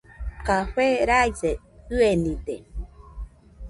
Café raise ɨenide.